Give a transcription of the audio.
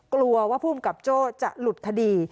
กลัวว่าภูมิกับโจ้จะหลุดคดี